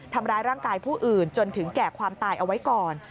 ทำร้ายร่างกายผู้อื่นจนถึงแก่ความตายเอาไว้ก่อน